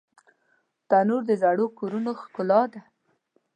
تنور د زړو کورونو ښکلا ده